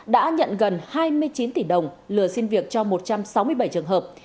đã nhận gần hai mươi chín tỷ đồng lừa xin việc cho một trăm sáu mươi bảy trường hợp